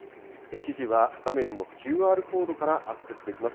記事は画面のＱＲコードからアクセスできます。